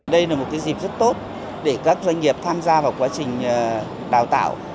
đây là một dịp rất tốt để các doanh nghiệp tham gia vào quá trình đào tạo